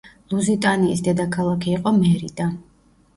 ლუზიტანიის დედაქალაქი იყო მერიდა.